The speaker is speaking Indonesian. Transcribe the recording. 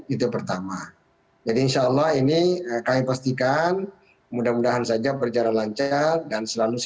itu pertama jadi insyaallah ini kami pastikan mudah mudahan saja berjalan lancar dan selalu